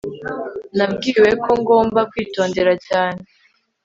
nabwiwe ko ngomba kwitondera cyane